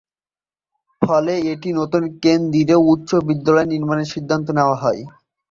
ফলে, একটি নতুন কেন্দ্রীয় উচ্চ বিদ্যালয় নির্মাণের সিদ্ধান্ত নেওয়া হয়।